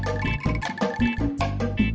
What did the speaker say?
gimana kalau pake quiz